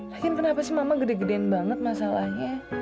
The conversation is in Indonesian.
hakim kenapa sih mama gede gedean banget masalahnya